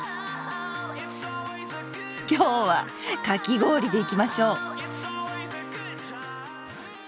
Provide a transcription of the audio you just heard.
今日は「かき氷」でいきましょう！